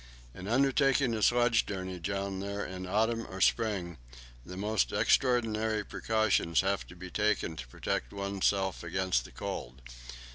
In undertaking a sledge journey down there in autumn or spring, the most extraordinary precautions have to be taken to protect oneself against the cold.